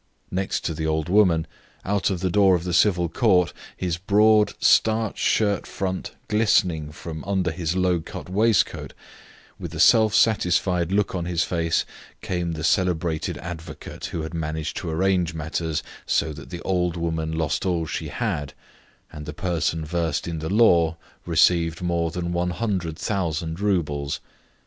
Next to the old woman, out of the door of the Civil Court, his broad, starched shirt front glistening from under his low cut waistcoat, with a self satisfied look on his face, came the celebrated advocate who had managed to arrange matters so that the old woman lost all she had, and the person versed in the law received more than 100,000 roubles.